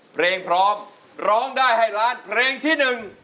เพลงพร้อมร้องได้ให้ล้านเพลงที่หนึ่ง